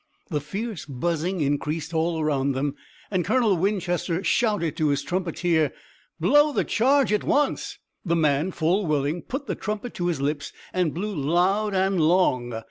The fierce buzzing increased all around them and Colonel Winchester shouted to his trumpeter: "Blow the charge at once!" The man, full willing, put the trumpet to his lips and blew loud and long.